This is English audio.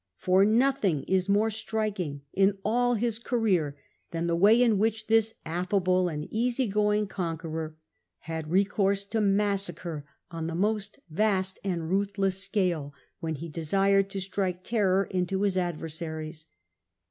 For nothing is more striking in all his career than the way in which this affable and easy going con queror had recourse to massacre on the most vast and ruthless scale when he desired to strike terror into his adversaries.